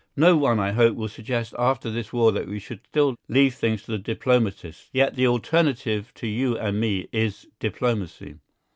No one, I hope, will suggest after this war that we should still leave things to the diplomatists. Yet the alternative to you and me is diplomacy.